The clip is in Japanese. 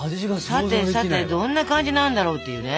さてさてどんな感じになんだろうっていうね。